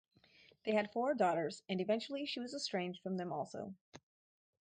They had four daughters and eventually she was estranged from them also.